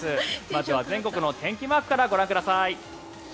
まずは全国の天気マークからご覧ください。